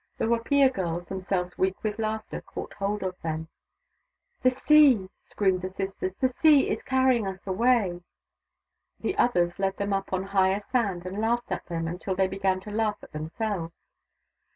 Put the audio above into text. The Wapiya girls, themselves weak with laughter, caught hold of them. " The Sea !" screamed the sisters. " The Sea is carrying us away !" The others led them up on higher sand and laughed at them until they began to laugh at themselves.